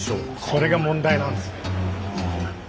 それが問題なんですね。